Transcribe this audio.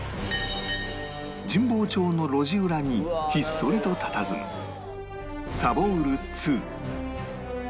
神保町の路地裏にひっそりとたたずむさぼうる２